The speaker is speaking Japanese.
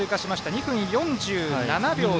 ２分４７秒。